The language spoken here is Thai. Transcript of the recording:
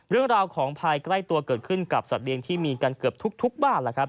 เรื่องราวของภายใกล้ตัวเกิดขึ้นกับสัตว์เลี้ยงที่มีกันเกือบทุกบ้านแล้วครับ